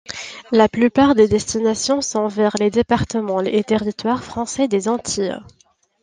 La plupart des destinations sont vers les départements et territoires français des Antilles.